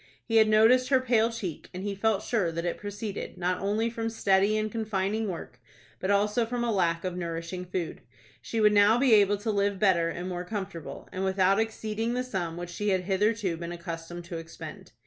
He had noticed her pale cheek, and he felt sure that it proceeded, not only from steady and confining work, but also from a lack of nourishing food. She would now be able to live better and more comfortable, and without exceeding the sum which she had hitherto been accustomed to expend.